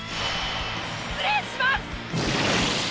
失礼します！